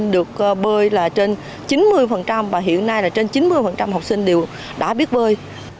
hồ bơi vận hành được bơi là trên chín mươi và hiện nay là trên chín mươi học sinh đều đã biết bơi